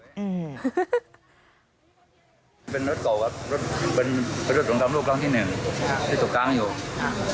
เป็นรถเก่าครับเป็นรถตรงทำรูปกลางที่หนึ่งที่ตรงกลางอยู่ครับ